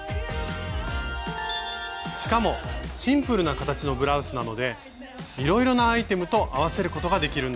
しかもシンプルな形のブラウスなのでいろいろなアイテムと合わせることができるんです。